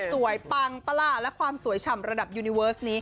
ปังปะล่ะและความสวยฉ่ำระดับยูนิเวิร์สนี้